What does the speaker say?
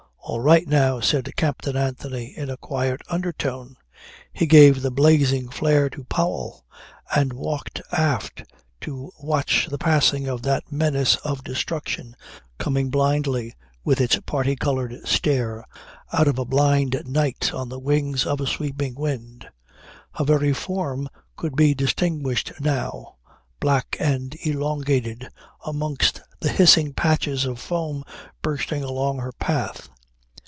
"All right now," said Captain Anthony in a quiet undertone. He gave the blazing flare to Powell and walked aft to watch the passing of that menace of destruction coming blindly with its parti coloured stare out of a blind night on the wings of a sweeping wind. Her very form could be distinguished now black and elongated amongst the hissing patches of foam bursting along her path.